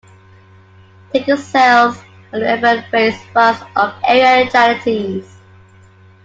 Ticket sales at the event raise funds for area charities.